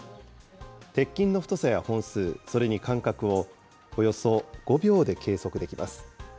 鉄筋の太さや本数、それに間隔をおよそ５秒で計測できます。